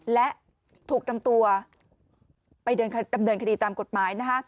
และถูกนำตัวไปดำเนินคดีตามกฎหมาย